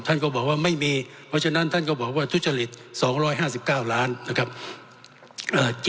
ท่านก็บอกว่าไม่มีเพราะฉะนั้นท่านก็บอกว่าทุจริต๒๕๙ล้านนะครับ